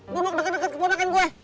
belok deket deket kemonakan gue